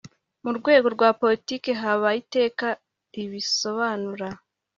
mu rwego rwa politiki habaye iteka ribisobanura